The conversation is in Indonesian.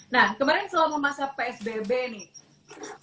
nah kemarin selama masa psbb nih